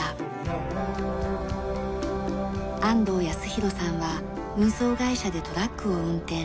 安藤康宏さんは運送会社でトラックを運転。